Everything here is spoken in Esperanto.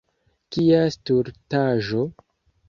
Kia stultaĵo!